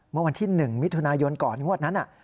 เมื่อวันที่๑มิถุนายนก่อนงวดนั้น